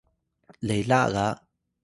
lela ga